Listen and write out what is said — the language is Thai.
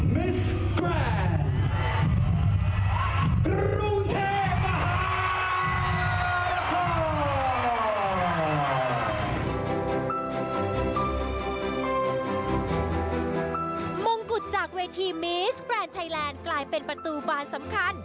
มงกุฎจากเวทีมีสแบรนด์ไทยแลนด์กลายเป็นประตูบานสำคัญ